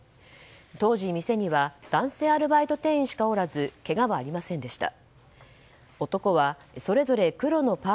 当時、店には男性アルバイト店員しかおらずけがはありませんでした。